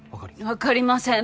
わかりません。